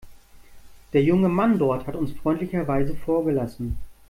Der junge Mann dort hat uns freundlicherweise vorgelassen.